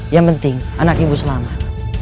yang penting anak ibu selamat